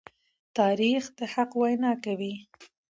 تاریخ د حق وینا کوي.